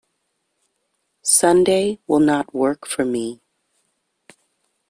Sunday will not work for me.